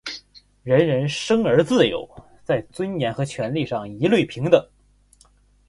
人人生而自由，在尊严和权利上一律平等。